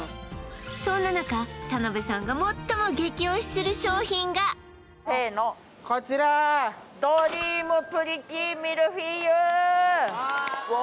そんな中田辺さんが最も激推しする商品がせのこちらドリームプリティミルフィーユ！